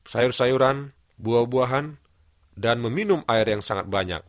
sayur sayuran buah buahan dan meminum air yang sangat banyak